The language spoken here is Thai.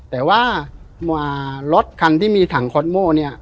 แต่ว่ารถคันที่มีถังคอสโม่เนี่ย